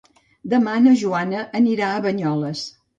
Demà na Joana anirà a Banyoles.